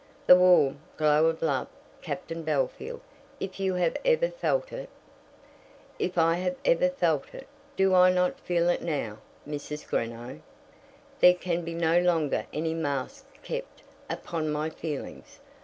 "The warm, glow of love, Captain Bellfield, if you have ever felt it " "If I have ever felt it! Do I not feel it now, Mrs. Greenow? There can be no longer any mask kept upon my feelings.